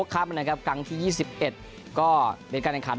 ครับนะครับกลางที่ยี่สิบเอ็ดก็ด้วยกันนะครับ